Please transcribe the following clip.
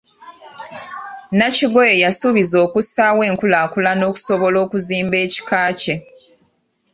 Nakigoye yasuubizza okussaawo enkulaakulana okusobola okuzimba ekika kye.